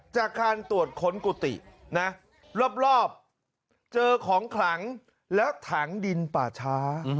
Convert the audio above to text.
จากการตรวจค้นกุฏินะรอบเจอของขลังแล้วถังดินป่าช้า